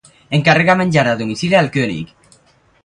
Encarrega menjar a domicili al König.